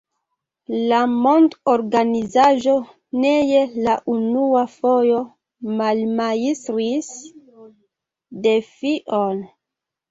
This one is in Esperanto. La mondorganizaĵo ne je la unua fojo malmajstris defion.